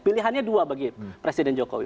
pilihannya dua bagi presiden jokowi